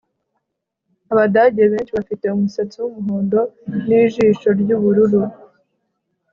Abadage benshi bafite umusatsi wumuhondo nijisho ryubururu